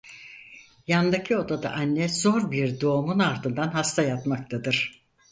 Yandaki odada anne zor bir doğumun ardından hasta yatmaktadır.